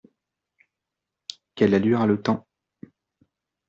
Quelle allure a le temps ?